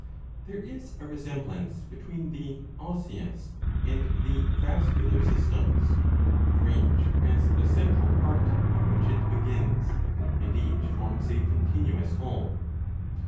There is a resemblance between the osseous and the vascular systems ; for each has a central part in which it begins, and each forms a continuous whole.